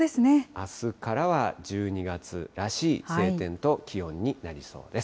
あすからは１２月らしい晴天と気温になりそうです。